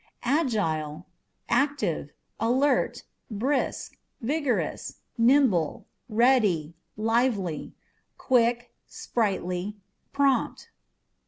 Agile â€" active, alert, brisk, vigorous, nimble, ready, lively, quick, sprightly, prompt.